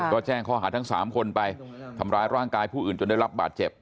ก็แจ้งข้อหาทั้ง๓คนไปทำร้ายร่างกายผู้อื่นจนได้รับบาดเจ็บ